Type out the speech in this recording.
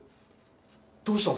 どうしたの？